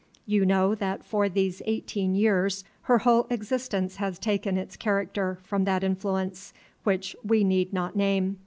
You know that for these eighteen years her whole existence has taken its character from that influence which we need not name.